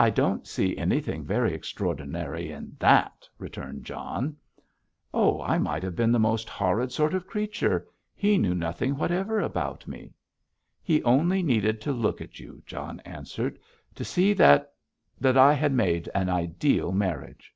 "I don't see anything very extraordinary in that," returned John. "Oh, but I might have been the most horrid sort of creature. He knew nothing whatever about me." "He only needed to look at you," John answered, "to see that—that I had made an ideal marriage."